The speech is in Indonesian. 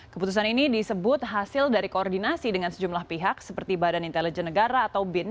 keputusan ini disebut hasil dari koordinasi dengan sejumlah pihak seperti badan intelijen negara atau bin